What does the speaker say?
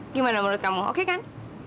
gimana menurut kamu oke kan